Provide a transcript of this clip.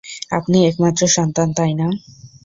আপনি একমাত্র সন্তান, তাই না?